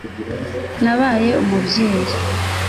Nabaye umubyeyi